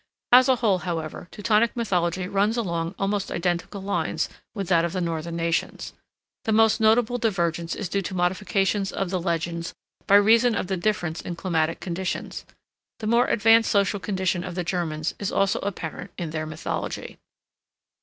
As a whole, however, Teutonic mythology runs along almost identical lines with that of the northern nations. The most notable divergence is due to modifications of the legends by reason of the difference in climatic conditions. The more advanced social condition of the Germans is also apparent in their mythology.